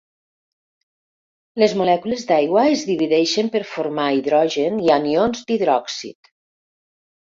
Les molècules d'aigua es divideixen per formar H i anions d'hidròxid.